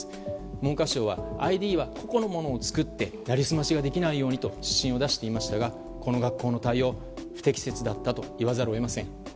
文科省はＩＤは個々のものを使って成り済ましてができないようにと指針を出していましたがこの学校の対応不適切だったと言わざるを得ません。